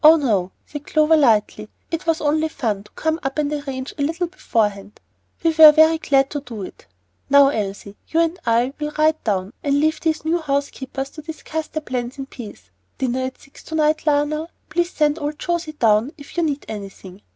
"Oh, no," said Clover, lightly. "It was only fun to come up and arrange a little beforehand. We were very glad to do it. Now, Elsie, you and I will ride down, and leave these new housekeepers to discuss their plans in peace. Dinner at six to night, Lionel; and please send old José down if you need anything.